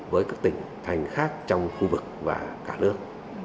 với các tỉnh thành khác trong khu vực và cả nước